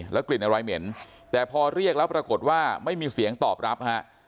กลิ่นอะไรเหม็นแต่พอเรียกแล้วปรากฏว่าไม่มีเสียงตอบรับฮะ